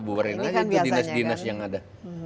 bubarin aja ke dinas dinas yang ada